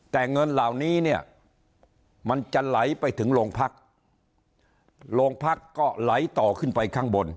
แต่เงินเหล่านี้เนี่ยมันจะไหลไปถึงโรงพักโรงพักก็ไหลต่อขึ้นไปข้างบน